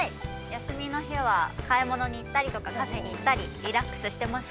休みの日は、買い物に行ったりとか、カフェに行ったり、リラックスしています。